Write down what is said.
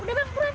udah bang kurang